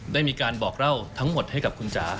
ได้มีการบอกเล่าทั้งหมดให้กับคุณจ๋า